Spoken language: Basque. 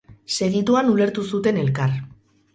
Segituan ulertu zuten elkar.